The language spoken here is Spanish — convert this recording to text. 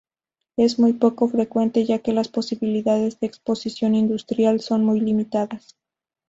Es muy poco frecuente ya que las posibilidades de exposición industrial son muy limitadas.